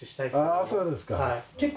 あそうですか。